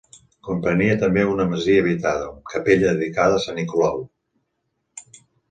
Comprenia també una masia habitada, amb capella dedicada a sant Nicolau.